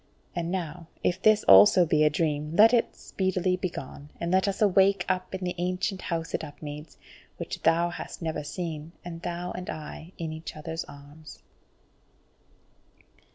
And now if this also be a dream, let it speedily begone, and let us wake up in the ancient House at Upmeads, which thou hast never seen and thou and I in each other's arms."